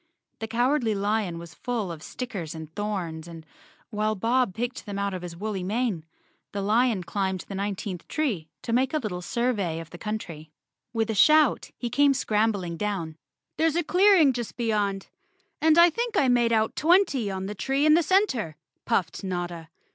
The Cowardly Lion was full of stickers and thorns and, while Bob picked them out of his woolly mane, the clown climbed the nineteenth tree to make a little survey of the country. With a shout he came scrambling down. "There's a clearing just beyond, and I think I made out twenty on the tree in the center," puffed Notta.